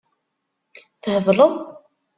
Thebleḍ?